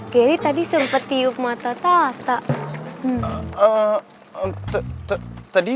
geri tadi sempet tiup mata tata